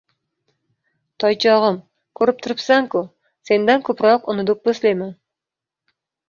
— Toychog'im, kurib turibsan-ku, sendan ko'proq uni do'pposlayman.